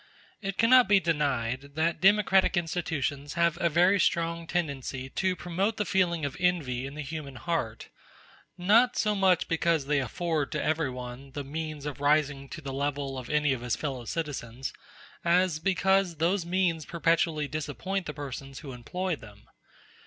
It cannot be denied that democratic institutions have a very strong tendency to promote the feeling of envy in the human heart; not so much because they afford to every one the means of rising to the level of any of his fellow citizens, as because those means perpetually disappoint the persons who employ them.